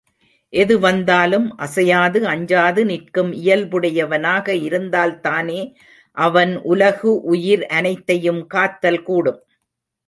எது வந்தாலும் அசையாது அஞ்சாது நிற்கும் இயல்புடையவனாக இருந்தால் தானே, அவன் உலகு, உயிர் அனைத்தையும் காத்தல் கூடும்.